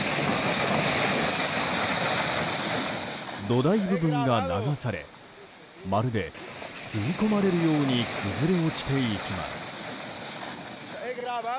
土台部分が流されまるで、吸い込まれるように崩れ落ちていきます。